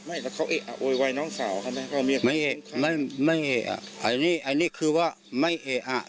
ไม่แต่เขาเอะอะโวยวายน้องสาวค่ะไม่ไม่เอะอะอันนี้อันนี้คือว่าไม่เอะอะ